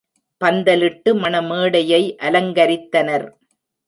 பந்தலிட்டு மண மேடையை அலங்கரித்தனர்.